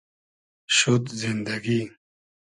شود زیندئگی